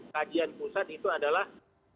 kajian pusat itu adalah